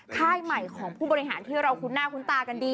ค่ายใหม่ของผู้บริหารที่เราคุ้นหน้าคุ้นตากันดี